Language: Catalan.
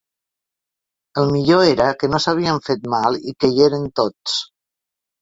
El millor era que no s'havien fet mal i que hi eren tots.